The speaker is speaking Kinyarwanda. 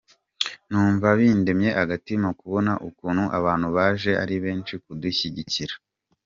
Numva bindemye agatima kubona ukuntu abantu baje ari benshi kudushyigikira.